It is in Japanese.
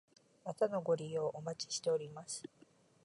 またのご利用お待ちしております。